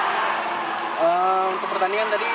tadi bisa diceritakan gak pertandingan ini